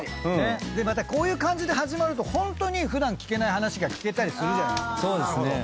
でまたこういう感じで始まるとホントに普段聞けない話が聞けたりするじゃないですか。